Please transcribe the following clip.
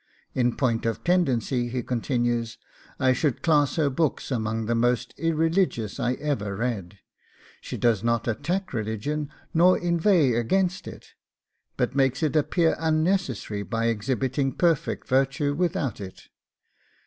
... In point of tendency,' he continues, 'I should class her books among the most irreligious I ever read. ... She does not attack religion nor inveigh against it, but makes it appear unnecessary by exhibiting perfect virtue without it.